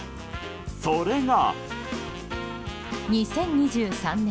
それが。